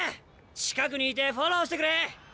近くにいてフォローしてくれ！